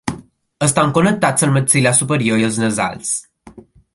Estan connectats al maxil·lar superior i als nasals.